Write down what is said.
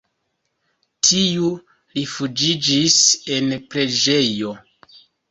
Tiu rifuĝiĝis en preĝejo.